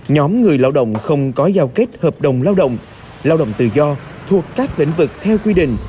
nhóm người lao động không có giao kết hợp đồng lao động lao động tự do thuộc các lĩnh vực theo quy định